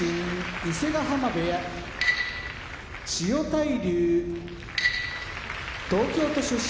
伊勢ヶ濱部屋千代大龍東京都出身